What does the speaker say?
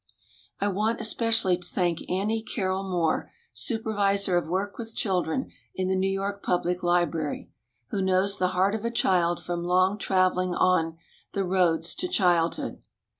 I want especially to thank Annie Carroll Moore, Su pervisor of Work with Children in the New York Public Library, who knows the heart of a child from long travelling on "The Roads to Childhood."